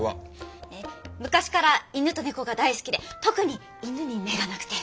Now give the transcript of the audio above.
え昔から犬と猫が大好きで特に犬に目がなくて。